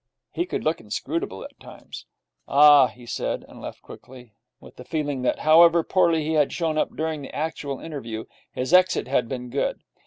He could look inscrutable at times. 'Ah!' he said, and left quickly, with the feeling that, however poorly he had shown up during the actual interview, his exit had been good.